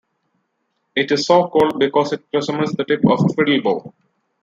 It is so called because it resembles the tip of a fiddle bow.